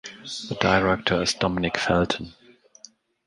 The director is Dominique Felten.